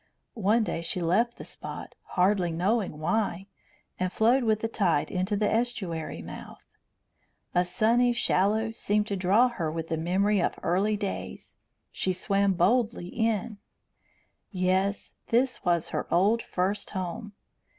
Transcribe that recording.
One day she left the spot, hardly knowing why, and floated with the tide into the estuary mouth. A sunny shallow seemed to draw her with the memory of early days. She swam boldly in. Yes, this was her old first home.